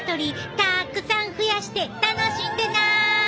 たくさん増やして楽しんでな！